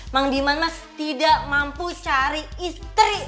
mang diman mas tidak mampu cari istri